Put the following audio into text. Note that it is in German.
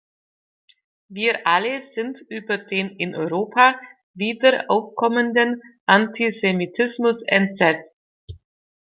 Wir alle sind über den in Europa wieder aufkommenden Antisemitismus entsetzt.